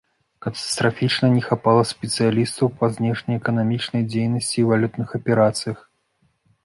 Катастрафічна не хапала спецыялістаў па знешнеэканамічнай дзейнасці і валютных аперацыях.